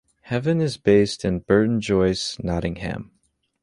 Heaven is based in Burton Joyce, Nottingham.